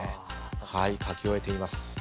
はい書き終えています。